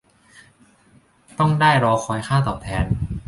ต้องได้รอคอยค่าตอบแทน